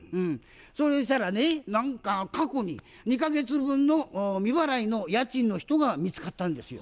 そしたらね何か過去に２か月分の未払いの家賃の人が見つかったんですよ。